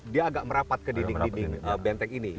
dia agak merapat ke dinding dinding benteng ini